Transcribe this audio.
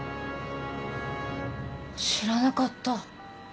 知らなかった。